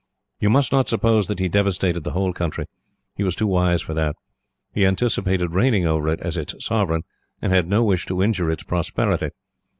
"You must not suppose that he devastated the whole country. He was too wise for that. He anticipated reigning over it as its sovereign, and had no wish to injure its prosperity.